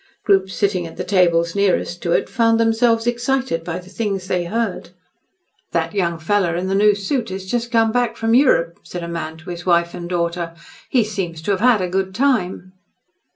Groups sitting at the tables nearest to it found themselves excited by the things they heard. "That young fellow in the new suit has just come back from Europe," said a man to his wife and daughter. "He seems to have had a good time."